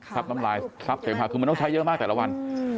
ซับน้ำลายซับเต็มผ่าคือมันต้องใช้เยอะมากแต่ละวัน